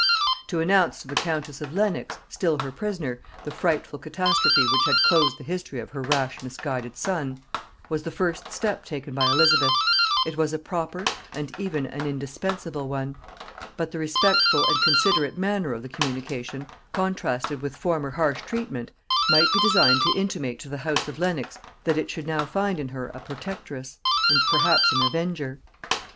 To announce to the countess of Lenox, still her prisoner, the frightful catastrophe which had closed the history of her rash misguided son, was the first step taken by Elizabeth: it was a proper, and even an indispensable one; but the respectful and considerate manner of the communication, contrasted with former harsh treatment, might be designed to intimate to the house of Lenox that it should now find in her a protectress, and perhaps an avenger.